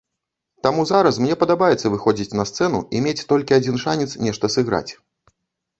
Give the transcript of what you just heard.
Таму зараз мне падабаецца выходзіць на сцэну і мець толькі адзін шанец нешта сыграць.